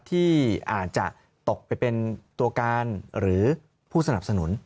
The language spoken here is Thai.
ที่อาจจะตกไปเป็นตัวการหรือผู้สนับสนุน